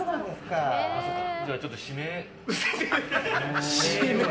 じゃあ、ちょっと指名を。